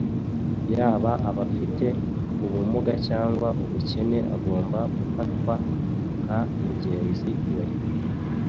yaba abafite ubumuga cyangwa ubukene agomba gufatwa nka mugenzi we